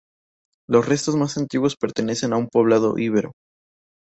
Los restos más antiguos pertenecen a un poblado íbero.